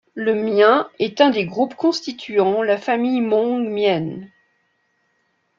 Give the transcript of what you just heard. Le mien est un des groupes constituant la famille hmong-mien.